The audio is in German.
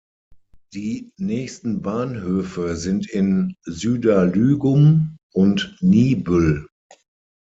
Die nächsten Bahnhöfe sind in Süderlügum und Niebüll.